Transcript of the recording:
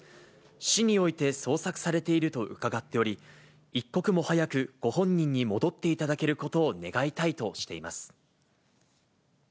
市において捜索されていると伺っており、一刻も早くご本人に戻っていただけることを願いたいとしています。